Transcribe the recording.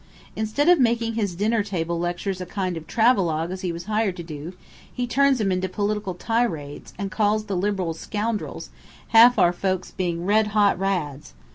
Instead of making his dinner table lectures a kind of travellogue as he was hired to do, he turns 'em into political tirades, and calls the Liberals scoundrels, half of our folks being red hot Rads.